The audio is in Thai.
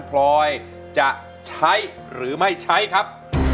พลอยจะใช้หรือไม่ใช้ครับ